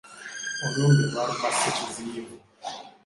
Olumbe lwaluma Ssekiziyivu!